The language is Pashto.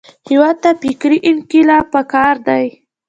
هېواد ته فکري انقلاب پکار دی